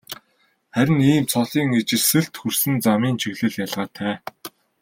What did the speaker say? Харин ийм цолын ижилсэлд хүрсэн замын чиглэл ялгаатай.